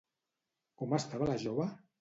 Com estava la jove?